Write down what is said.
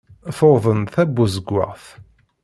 Tuḍen tabuzewwaɣt.